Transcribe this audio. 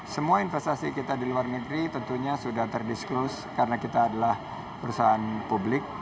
semua investasi kita di luar negeri tentunya sudah terdiskuse karena kita adalah perusahaan publik